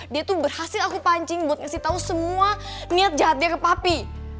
dia tuh berhasil aku pancing buat ngasih tau semua niat jahat dia ke papi